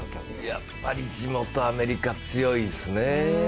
やっぱり地元アメリカ、強いですね。